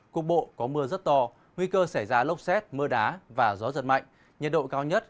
cục bộ có mưa rất to nguy cơ xảy ra lốc xét mưa đá và gió giật mạnh